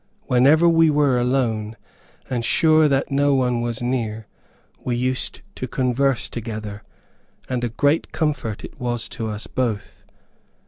Whenever we were alone, and sure that no one was near, we used to converse together, and a great comfort it was to us both.